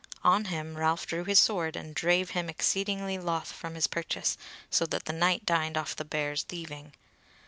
On him Ralph drew his sword and drave him exceeding loth from his purchase, so that the knight dined off the bear's thieving.